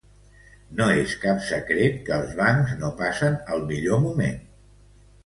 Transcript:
No és cap secret que els bancs no passen el millor moment.